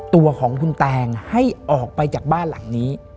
ตัวของคุณแตงให้ออกไปจากบ้านหลังนี้